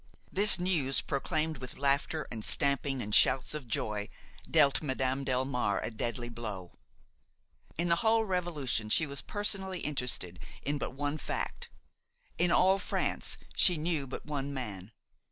This news, proclaimed with laughter and stamping and shouts of joy, dealt Madame Delmare a deadly blow. In the whole revolution she was personally interested in but one fact; in all France she knew but one man.